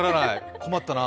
困ったな。